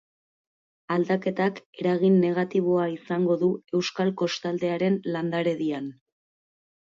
Aldaketak, eragin negatiboa izango du euskal kostaldearen landaredian.